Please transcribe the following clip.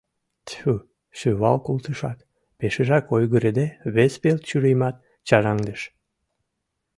— Тьфу! — шӱвал колтышат, пешыжак ойгырыде, вес пел чурийымат чараҥдыш.